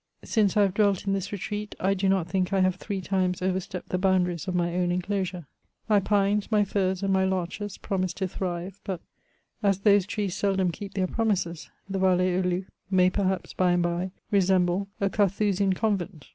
Since I have dwelt in this retreat, I do not think I have three times over stepped the boundaries of my own enclosure. My pines, my firs, and my larches promise to thrive ; but, as those trees seldom keep their promises, the Yall^ aux Loups may, per haps, by and bye resemble a Carthusian convent.